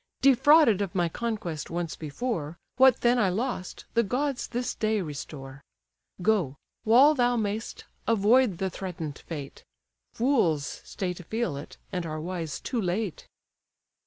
Defrauded of my conquest once before, What then I lost, the gods this day restore. Go; while thou may'st, avoid the threaten'd fate; Fools stay to feel it, and are wise too late."